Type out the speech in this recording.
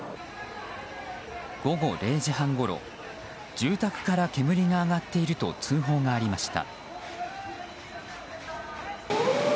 午後０時半ごろ、住宅から煙が上がっていると通報がありました。